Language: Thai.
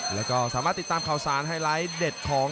แล้วก็สามารถติดตามข่าวสารไฮไลท์เด็ดของ